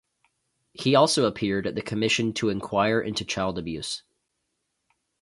He also appeared at the Commission to Inquire into Child Abuse.